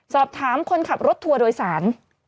สอบถามคนขับรถทัวร์โดยสาร